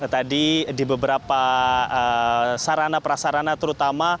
tadi di beberapa sarana prasarana terutama